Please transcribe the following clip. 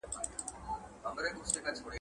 دا ليکلي پاڼي له هغو پاکې دي.